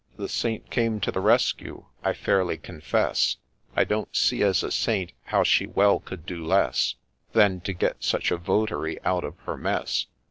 The Saint came to the rescue !— I fairly confess I don't see, as a Saint, how she well could do less Than to get such a votary out of her mess.